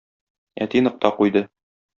Әти нокта куйды.